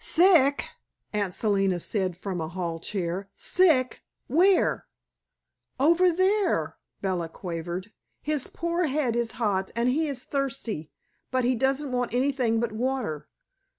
"Sick!" Aunt Selina said, from a hall chair. "Sick! Where?" "All over," Bella quavered. "His poor head is hot, and he's thirsty, but he doesn't want anything but water."